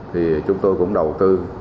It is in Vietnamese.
thì chúng tôi cũng đầu tư